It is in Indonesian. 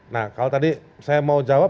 nah kalau tadi saya mau jawab